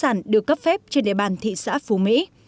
sản được cấp phép trên địa bàn thị xã phú mỹ